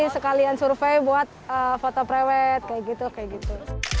sekalian survei buat foto prewet kayak gitu kayak gitu